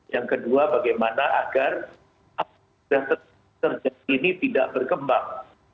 yang kedua bagaimana agar apabila terjadi ini tidak berkembang